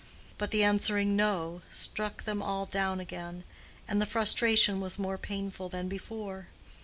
But the answering "No" struck them all down again, and the frustration was more painful than before.